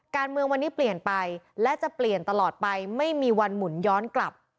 การเมืองวันนี้เปลี่ยนไปและจะเปลี่ยนตลอดไปไม่มีวันหมุนย้อนกลับ